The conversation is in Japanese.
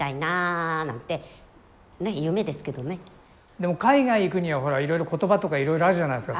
でも海外行くにはほらいろいろ言葉とかいろいろあるじゃないですか。